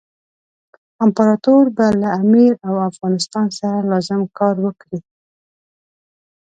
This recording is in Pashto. امپراطور به له امیر او افغانستان سره لازم کار وکړي.